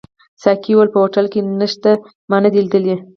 ساقي وویل: په هوټل کي نشته، ما نه دي لیدلي.